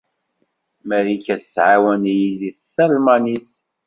Marika tettɛawan-iyi deg talmanit.